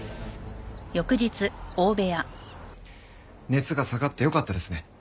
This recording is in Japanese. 熱が下がってよかったですね。